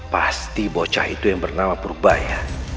pasti bocah itu yang bernama purbaya